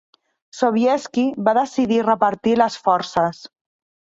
Sobieski va decidir repartir les forces.